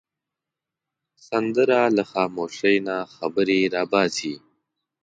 سندره له خاموشۍ نه خبرې را باسي